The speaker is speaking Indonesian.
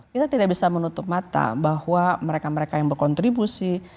kita tidak bisa menutup mata bahwa mereka mereka yang berkontribusi